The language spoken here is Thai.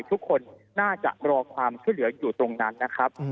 ทุกคนน่าจะรอความช่วยเหลืออยู่ตรงนั้นนะครับ